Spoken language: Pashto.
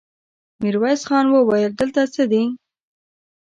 ميرويس خان وويل: دلته څه دي؟